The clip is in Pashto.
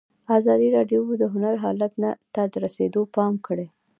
ازادي راډیو د هنر حالت ته رسېدلي پام کړی.